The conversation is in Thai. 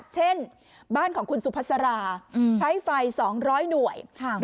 เช่นบ้านของคุณสุภาษาราใช้ไฟ๒๐๐หน่วย